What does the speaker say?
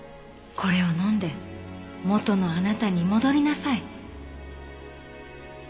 「これを飲んで元のあなたに戻りなさい」